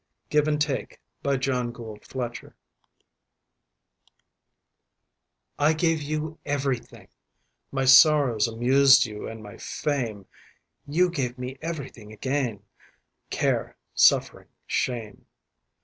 Give and Take John Gould Fletcher From "Modern Lamentations"I GAVE you everything:My sorrows amused you and my fame. You gave me everything again:Care, suffering, shame.